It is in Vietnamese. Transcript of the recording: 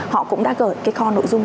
họ cũng đã gửi cái kho nội dung